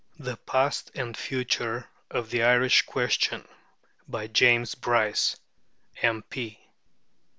] THE PAST AND FUTURE OF THE IRISH QUESTION BY JAMES BRYCE, M.P.